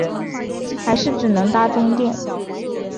还是只能搭终电